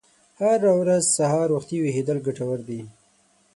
هره ورځ سهار وختي ویښیدل ګټور دي.